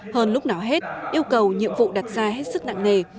hơn lúc nào hết yêu cầu nhiệm vụ đặt ra hết sức nặng nề